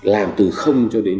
làm từ cho đến chín mươi